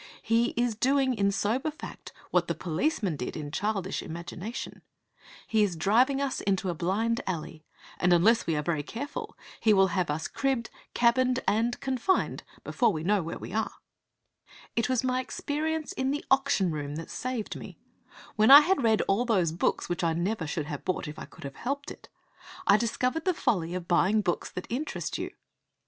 He is doing in sober fact what the policeman did in childish imagination. He is driving us into a blind alley, and, unless we are very careful, he will have us cribb'd, cabin'd, and confined before we know where we are. V It was my experience in the auction room that saved me. When I had read all these books which I should never have bought if I could have helped it, I discovered the folly of buying books that interest you.